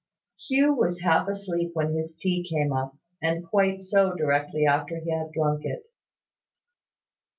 Hugh was half asleep when his tea came up, and quite so directly after he had drunk it.